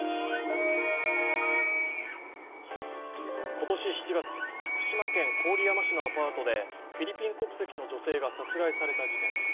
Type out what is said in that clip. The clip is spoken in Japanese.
今年７月、福島県郡山市のアパートでフィリピン国籍の女性が殺害された事件です。